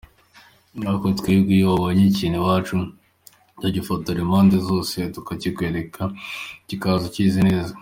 Ariko twebwe iyo wabonye ikintu iwacu, tugifotora impande zose, tukakikwereka, kikaza ukizi neza.